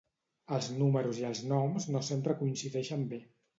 Els números i els noms no sempre coincideixen bé.